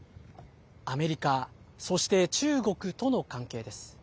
アメリカそして中国との関係です。